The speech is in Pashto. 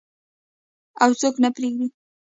او څوک نه پریږدي.